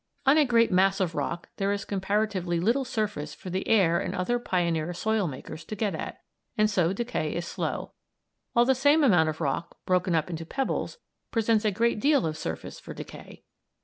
On a great mass of rock there is comparatively little surface for the air and other pioneer soil makers to get at, and so decay is slow; while the same amount of rock broken up into pebbles presents a great deal of surface for decay.